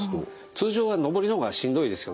通常は登りの方がしんどいですよね。